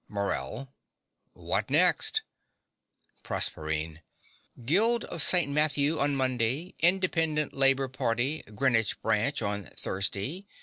MORELL. What next? PROSERPINE. Guild of St. Matthew on Monday. Independent Labor Party, Greenwich Branch, on Thursday.